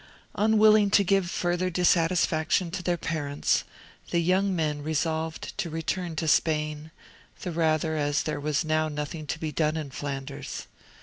Unwilling to give further dissatisfaction to their parents, the young men resolved to return to Spain, the rather as there was now nothing to be done in Flanders.